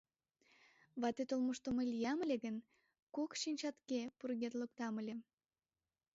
Ватет олмышто мый лиям ыле гын, кок шинчатге пургед луктам ыле.